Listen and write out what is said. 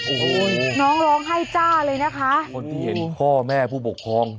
โอ้โหน้องร้องไห้จ้าเลยนะคะคนที่เห็นพ่อแม่ผู้ปกครอง